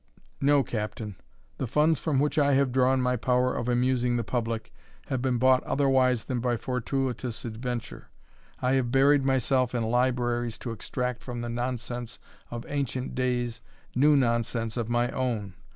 No, Captain, the funds from which I have drawn my power of amusing the public, have been bought otherwise than by fortuitous adventure. I have buried myself in libraries to extract from the nonsense of ancient days new nonsense of my own.